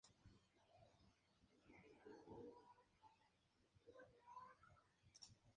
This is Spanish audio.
Finalizando el año con un nuevo tour por la Argentina.